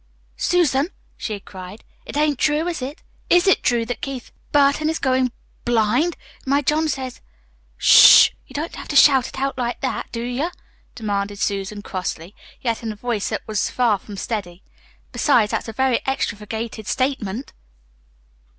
"Susan," she had cried, "it ain't true, is it? IS it true that Keith Burton is going BLIND? My John says " "Sh h! You don't have to shout it out like that, do ye?" demanded Susan crossly, yet in a voice that was far from steady. "Besides, that's a very extravagated statement."